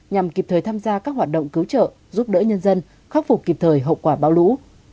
nhằm kịp thời tham gia các hoạt động cứu trợ giúp đỡ nhân dân khắc phục kịp thời hậu quả bão lũ